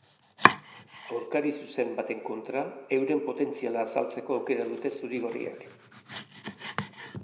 Aurkari zuzen baten kontra euren potentziala azaltzeko aukera dute zuri-gorriek.